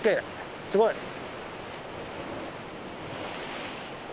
すごい！